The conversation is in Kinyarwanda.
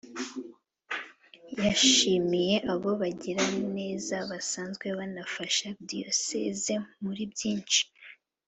yashimiye abo bagiraneza basanzwe banafasha Diyosezi muri byinshi